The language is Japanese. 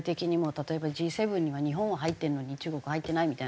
例えばＧ７には日本は入ってるのに中国は入ってないみたいな。